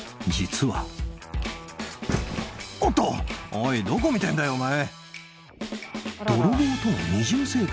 おいどこ見てんだよお前。